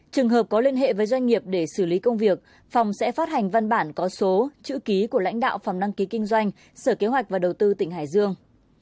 trường hợp có liên hệ với doanh nghiệp để xử lý công việc phòng sẽ phát hành văn bản có số chữ ký của lãnh đạo phòng đăng ký kinh doanh sở kế hoạch và đầu tư tỉnh hải dương